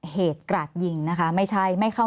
มีความรู้สึกว่ามีความรู้สึกว่า